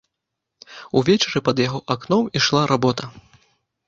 Увечары пад яго акном ішла работа.